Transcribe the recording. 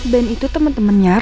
band itu teman temannya